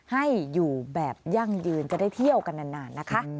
ให้อยู่แบบยั่งยืนจะได้เที่ยวกันนานนะคะ